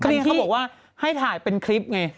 อันนี้เขาบอกว่าให้ถ่ายเป็นคลิปไง